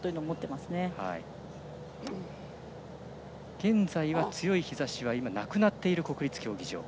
現在は強い日ざしはなくなっている国立競技場。